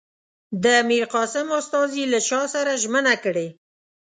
د میرقاسم استازي له شاه سره ژمنه کړې.